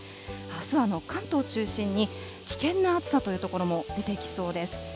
あすは関東を中心に、危険な暑さという所も出てきそうです。